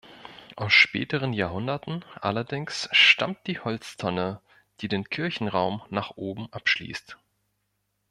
Aus späteren Jahrhunderten allerdings stammt die Holztonne, die den Kirchenraum nach oben abschließt.